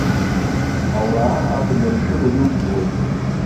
Ауаа абнаршәыра илҵуеит.